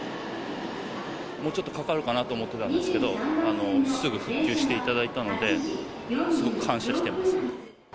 もうちょっとかかるかなと思ってたんですけど、すぐ復旧していただいたので、すごく感謝してます。